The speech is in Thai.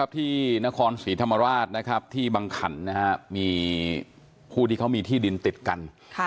ที่นครศรีธรรมราชที่บังขันมีผู้ที่เขามีที่ดินติดกัน